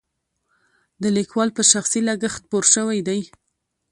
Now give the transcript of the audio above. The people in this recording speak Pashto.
د لیکوال په شخصي لګښت خپور شوی دی.